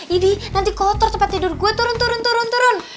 ibi nanti kotor tempat tidur gua turun turun turun turun